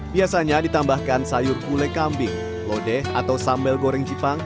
biasanya ditambahkan sayur kule kambing lodeh atau sambal goreng cipang